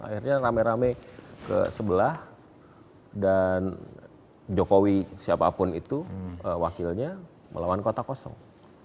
akhirnya rame rame ke sebelah dan jokowi siapapun itu wakilnya melawan kota kosong